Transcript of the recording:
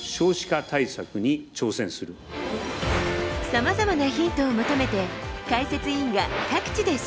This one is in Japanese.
さまざまなヒントを求めて解説委員が各地で取材。